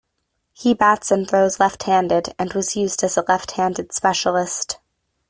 He bats and throws left-handed, and was used as a left-handed specialist.